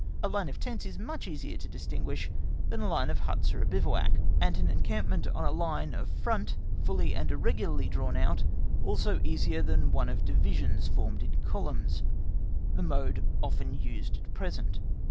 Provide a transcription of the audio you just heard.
A line of tents is much easier to distinguish than a line of huts or a bivouac; and an encampment on a line of front, fully and regularly drawn out, also easier than one of Divisions formed in columns, the mode often used at present.